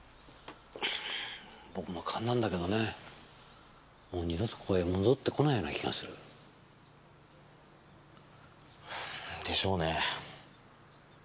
僕の勘なんだけどねもう二度とここへ戻ってこないような気がする。でしょうね。